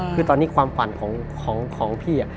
คือตอนนี้ความฝันของพี่